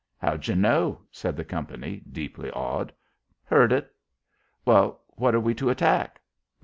"How d'you know?" said the company, deeply awed. "Heard it." "Well, what are we to attack?"